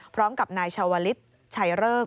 พร้อมกับนายชาวลิศชัยเริก